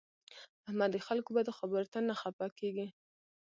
احمد د خلکو بدو خبرو ته نه خپه کېږي.